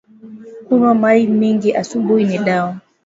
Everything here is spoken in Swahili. Kunwa mayi mingi asubui ni dawa